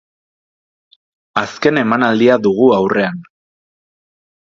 Azken emanaldia dugu aurrean.